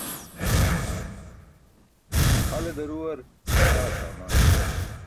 Hale daruwar taa saamaan.